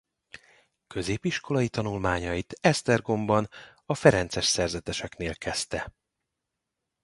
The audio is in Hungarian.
Középiskolai tanulmányait Esztergomban a ferences szerzeteseknél kezdte.